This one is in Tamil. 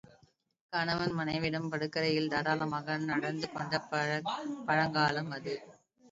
கணவனும் மனைவியும் படுக்கையறையில் தாராளமாக நடந்துகொண்ட பழங்காலம் அது.